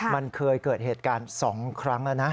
มันเคยเกิดเหตุการณ์๒ครั้งแล้วนะ